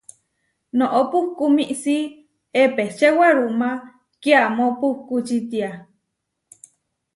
Noʼó puhkú miísi epečé werumá kiamó puhkú čitiá.